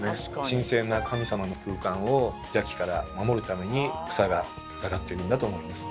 神聖な神様の空間を邪気から守るために房が下がってるんだと思います。